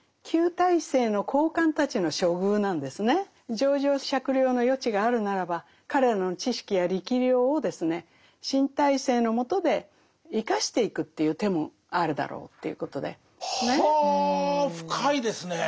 情状酌量の余地があるならば彼らの知識や力量をですね新体制のもとで生かしていくっていう手もあるだろうということで。は深いですねえ。